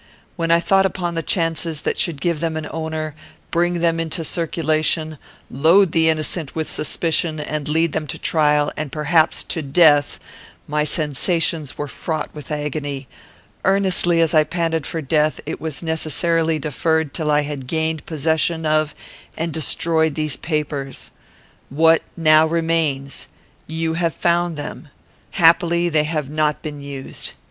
"When I thought upon the chances that should give them an owner; bring them into circulation; load the innocent with suspicion; and lead them to trial, and, perhaps, to death, my sensations were fraught with agony; earnestly as I panted for death, it was necessarily deferred till I had gained possession of and destroyed these papers. "What now remains? You have found them. Happily they have not been used.